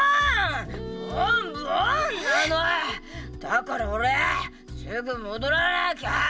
だから俺ぁすぐ戻らなきゃ。